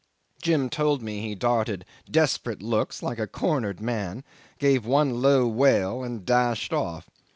Jim told me he darted desperate looks like a cornered man, gave one low wail, and dashed off.